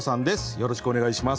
よろしくお願いします。